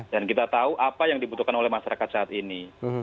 dan kita tahu apa yang dibutuhkan oleh masyarakat saat ini